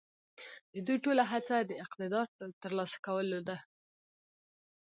د دوی ټوله هڅه د اقتدار د تر لاسه کولو ده.